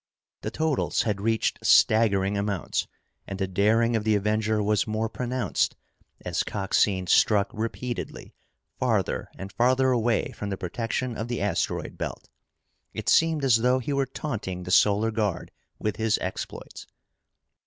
The totals had reached staggering amounts and the daring of the Avenger was more pronounced, as Coxine struck repeatedly, farther and farther away from the protection of the asteroid belt. It seemed as though he were taunting the Solar Guard with his exploits.